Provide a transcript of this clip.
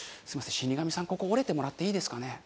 死神さんここ折れてもらっていいですかね？